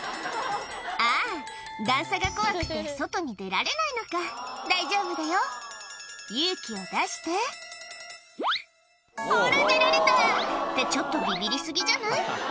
あぁ段差が怖くて外に出られないのか大丈夫だよ勇気を出してほら出られた！ってちょっとビビり過ぎじゃない？